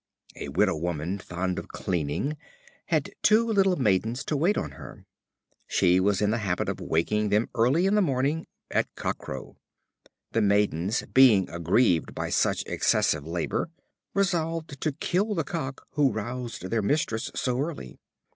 A widow woman, fond of cleaning, had two little maidens to wait on her. She was in the habit of waking them early in the morning, at cockcrow. The maidens, being aggrieved by such excessive labor, resolved to kill the cock who roused their mistress so early.